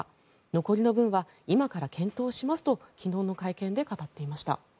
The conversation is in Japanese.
残りの分は今から検討しますと昨日の会見で語っていました。